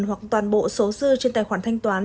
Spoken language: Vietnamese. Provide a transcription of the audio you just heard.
hoặc toàn bộ số dư trên tài khoản thanh toán